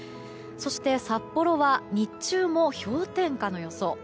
そして、札幌は日中も氷点下の予想。